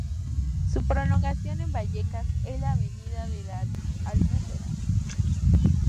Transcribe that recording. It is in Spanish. Su prolongación en Vallecas es la avenida de la Albufera.